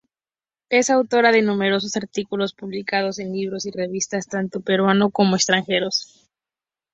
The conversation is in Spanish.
Es autora de numerosos artículos publicados en libros y revistas, tanto peruanos como extranjeros.